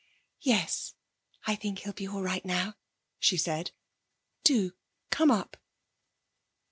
'Yes, I think he'll be all right now,' she said. 'Do come up.'